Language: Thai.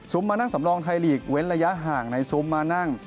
มานั่งสำรองไทยลีกเว้นระยะห่างในซุ้มมานั่ง